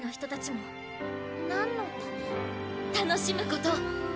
楽しむこと。